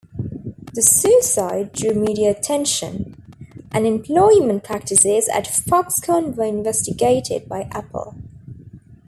The suicides drew media attention, and employment practices at Foxconn were investigated by Apple.